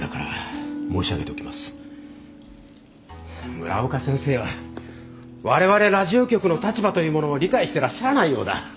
村岡先生は我々ラジオ局の立場というものを理解してらっしゃらないようだ。